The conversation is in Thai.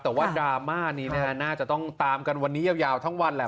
แต่ว่าดราม่านี้น่าจะต้องตามกันวันนี้ยาวทั้งวันแหละ